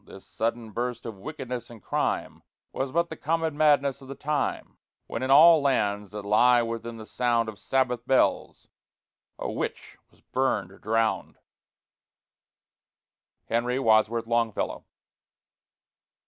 This sudden burst of wickedness and crime Was but the common madness of the time, When in all lands, that lie within the sound Of Sabbath bells, a Witch was burned or drowned. HENRY WADSWORTH LONGFELLOW.